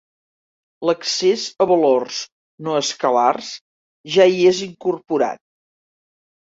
L'accés a valors no escalars ja hi és incorporat.